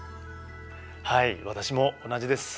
はい私も同じです。